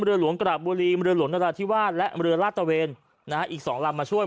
เรือหลวงกระบุรีเรือหลวงนราธิวาสและเรือลาดตะเวนนะฮะอีกสองลำมาช่วย